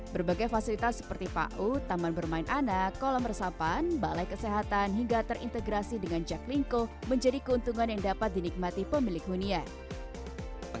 berbagai fasilitas seperti pau taman bermain anak kolam resapan balai kesehatan hingga terintegrasi dengan jaklingko menjadi keuntungan yang dapat dinikmati pemilik hunian